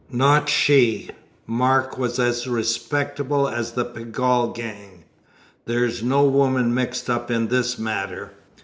"Not she. Mark was as respectable as the Pegall gang; there's no woman mixed up in this matter."